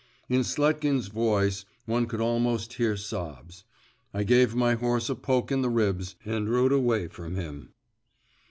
In Sletkin's voice, one could almost hear sobs. I gave my horse a poke in the ribs and rode away from him.